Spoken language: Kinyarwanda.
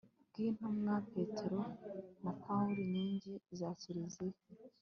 bw'intumwa petero na paulo inkingi za kiliziya